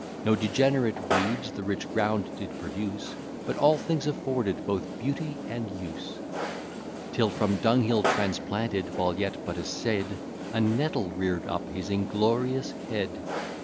No degenerate weeds the rich ground did produce, But all things afforded both beauty and use: Till from dunghill transplanted, while yet but a seed, A nettle rear'd up his inglorious head.